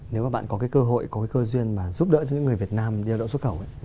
nếu mà bạn có cơ hội có cơ duyên giúp đỡ cho những người việt nam đi lao động xuất khẩu